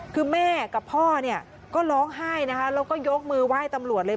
คือแม่กับพ่อเนี่ยก็ร้องไห้นะคะแล้วก็ยกมือไหว้ตำรวจเลย